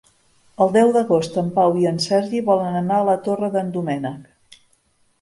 El deu d'agost en Pau i en Sergi volen anar a la Torre d'en Doménec.